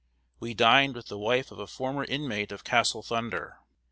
We dined with the wife of a former inmate of Castle Thunder.